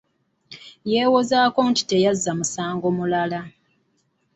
Yewozaako nti teyazza musango mulala.